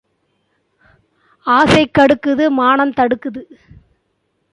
ஆசை கடுக்குது மானம் தடுக்குது.